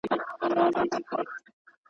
پر لمن د کوه طور به بیرغ پورته د موسی سي!